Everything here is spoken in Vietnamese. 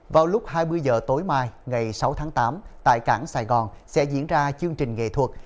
vào lúc hai mươi h tối mai ngày sáu tháng tám tại cảng sài gòn sẽ diễn ra chương trình nghệ thuật